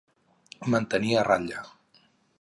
Mantenir a ratlla.